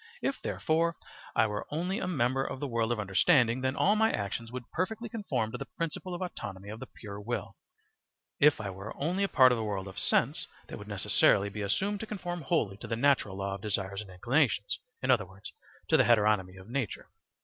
If therefore I were only a member of the world of understanding, then all my actions would perfectly conform to the principle of autonomy of the pure will; if I were only a part of the world of sense, they would necessarily be assumed to conform wholly to the natural law of desires and inclinations, in other words, to the heteronomy of nature.